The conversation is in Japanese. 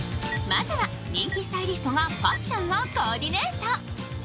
まずは人気スタイリストがファッションをコーディネート。